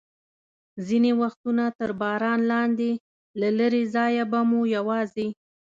ځینې وختونه تر باران لاندې، له لرې ځایه به مو یوازې.